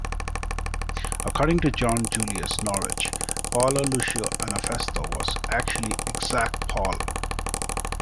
According to John Julius Norwich, Paolo Lucio Anafesto was actually Exarch Paul.